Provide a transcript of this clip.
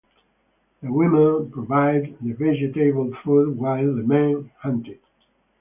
The women provided the vegetable food while the men hunted.